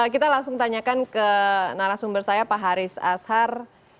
kita langsung tanyakan ke narasumber saya pak haris ashar